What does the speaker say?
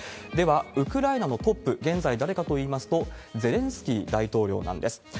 では、ウクライナのトップ、現在誰かといいますと、ゼレンスキー大統領なんです。